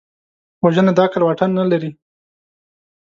وژنه د عقل واټن نه لري